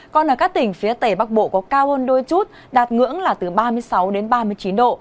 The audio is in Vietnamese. còn ở các tỉnh phía tây bắc bộ có cao hơn đôi chút đạt ngưỡng là từ ba mươi sáu đến ba mươi chín độ